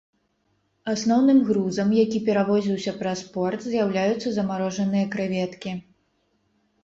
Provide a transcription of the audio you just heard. Асноўным грузам, які перавозіўся праз порт, з'яўляюцца замарожаныя крэветкі.